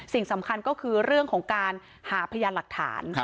สิ่งสำคัญก็คือเรื่องของการหาพยานหลักฐาน